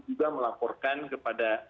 juga melaporkan kepada